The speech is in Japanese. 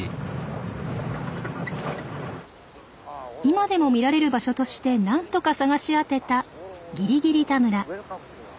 今でも見られる場所としてなんとか探し当てたギリギリタ村。